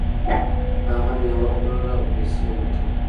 هغه میوه پلورله او پیسې یې ګټلې.